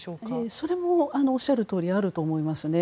それもおっしゃるとおりあると思いますね。